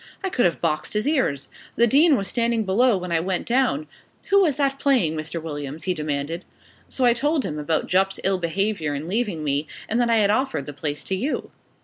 I could have boxed his ears. The dean was standing below when I went down. 'Who was that playing, Mr. Williams?' he demanded. So, I told him about Jupp's ill behaviour in leaving me, and that I had offered the place to you.